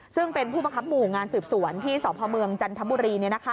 ซึ่งเป็นผู้บังคับหมู่งานสืบสวนที่สพเมืองจันทบุรี